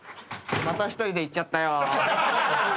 また１人で行っちゃった。